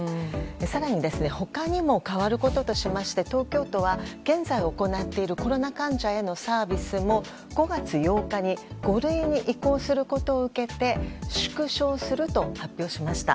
更に、他にも変わることとしまして東京都は現在行っているコロナ患者へのサービスも５月８日に５類に移行することを受けて縮小すると発表しました。